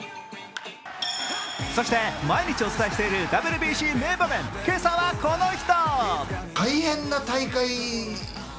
そして毎日お伝えしているＷＢＣ名場面、今朝はこの人。